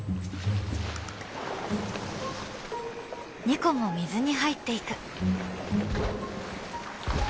ニコも水に入っていく。